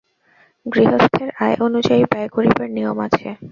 গৃহস্থের আয় অনুযায়ী ব্যয় করিবার নিয়ম আছে।